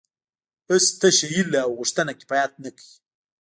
هسې تشه هیله او غوښتنه کفایت نه کوي